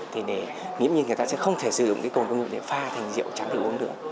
thì nghĩa là người ta sẽ không thể sử dụng cồn công nghiệp để pha thành rượu trắng để uống được